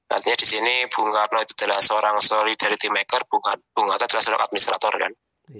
artinya di sini bung karno itu adalah seorang solidarity maker bung hatta adalah seorang administrator kan